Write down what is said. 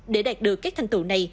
để đạt được các thành tựu này